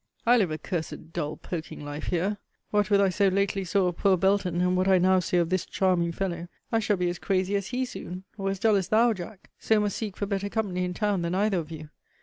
I live a cursed dull poking life here. What with I so lately saw of poor Belton, and what I now see of this charming fellow, I shall be as crazy as he soon, or as dull as thou, Jack; so must seek for better company in town than either of you.